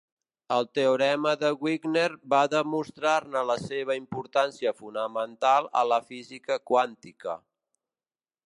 El teorema de Wigner va demostra-ne la seva importància fonamental a la física quàntica.